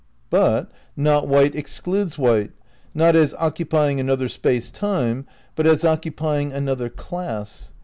But not white excludes white, not as occupying an other space time but as occupying another class.